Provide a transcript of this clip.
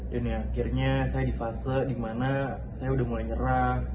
dan akhirnya saya di fase dimana saya sudah mulai nyerah